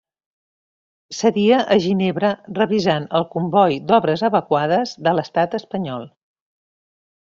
Seria a Ginebra, revisant el comboi d'obres evacuades de l'Estat Espanyol.